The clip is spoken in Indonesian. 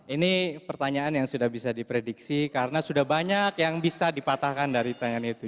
ini pertanyaan yang sudah bisa diprediksi karena sudah banyak yang bisa dipatahkan dari pertanyaan itu